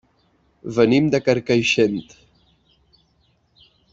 Venim de Carcaixent.